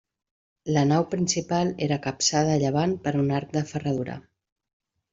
La nau principal era capçada a llevant per un arc de ferradura.